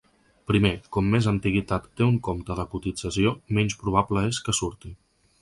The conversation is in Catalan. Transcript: Primer, com més antiguitat té un compte de cotització, menys probable és que surti.